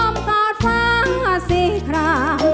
อ้อมตอบฟ้าสี่ครา